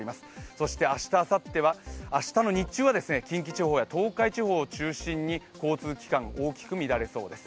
そして明日の日中は近畿地方や東海地方を中心に交通機関、大きく乱れそうです。